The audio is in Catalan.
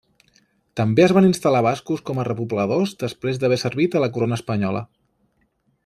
També es van instal·lar bascos com a repobladors després d'haver servit a la Corona Espanyola.